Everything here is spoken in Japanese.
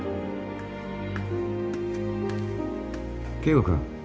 圭吾君。